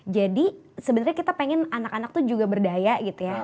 jadi sebenernya kita pengen anak anak tuh juga berdaya gitu ya